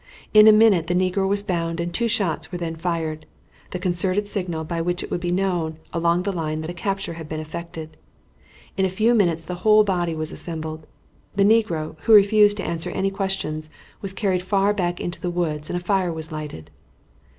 In a minute the negro was bound and two shots were then fired, the concerted signal by which it would be known along the line that a capture had been effected. In a few minutes the whole body was assembled. The negro, who refused to answer any questions, was carried far back into the woods and a fire was lighted.